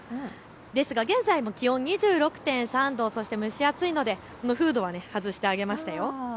ですが現在も気温２６．３度、そして蒸し暑いのでこのフードは外してあげました。